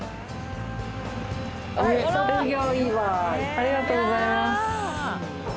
ありがとうございます。